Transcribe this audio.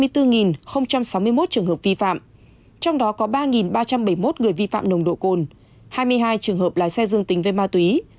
trường hợp vi phạm trong đó có ba ba trăm bảy mươi một người vi phạm nồng độ cồn hai mươi hai trường hợp lái xe dương tính với ma túy